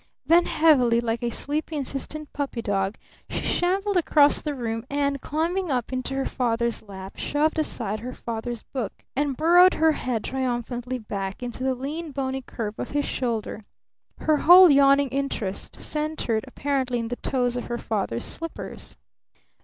Then heavily, like a sleepy, insistent puppy dog, she shambled across the room and, climbing up into her father's lap, shoved aside her father's book, and burrowed her head triumphantly back into the lean, bony curve of his shoulder, her whole yawning interest centered apparently in the toes of her father's slippers.